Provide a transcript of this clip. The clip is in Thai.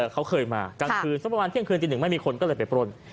เขาเคยมากลางคืนสัปดาห์วานเที่ยงคืนที่๑ไม่มีคนก็เลยไปปล้น